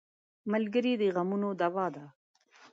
ملګری د غمونو دوا ده.